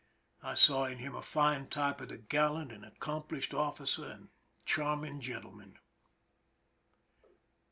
I saw in him a fine type of the gallant and accomplished officer and charming gentleman.